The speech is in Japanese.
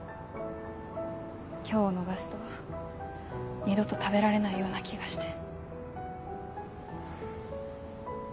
今日を逃すと二度と食べられないような気がして。